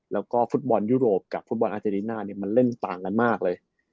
แล้วก็ฟุตบอลยุโรปกับฟุตบอลอาเจริน่าเนี่ยมันเล่นต่างกันมากเลย